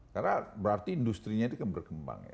karena berarti industri nya itu kan berkembang ya